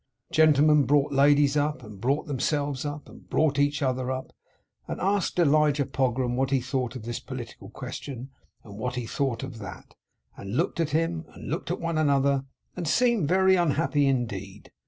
Gentlemen brought ladies up, and brought themselves up, and brought each other up; and asked Elijah Pogram what he thought of this political question, and what he thought of that; and looked at him, and looked at one another, and seemed very unhappy indeed.